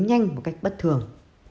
nhanh một cách bất thường